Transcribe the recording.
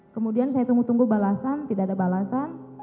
kemudian saya tunggu tunggu balasan tidak ada balasan